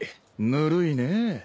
ぬるいねぇ。